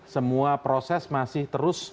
semua proses masih terus